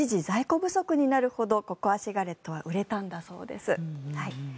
一時在庫不足になるほどココアシガレットは売れたんだそうです。